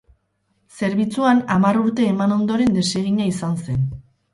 Zerbitzuan hamar urte eman ondoren desegina izan zen.